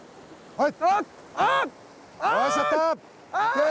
はい！